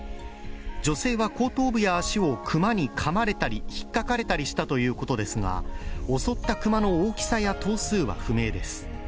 女性は後頭部や足を熊にかまれたり引っかかれたりしたということですが、襲った熊の大きさや頭数は不明です。